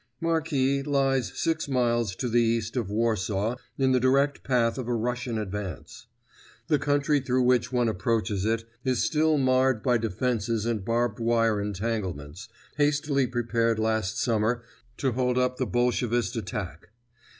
Marki lies six miles to the east of Warsaw in the direct path of a Russian advance. The country through which one approaches it is still marred by defenses and barbed wire entanglements, hastily prepared last summer to hold up the Bolshevist attack.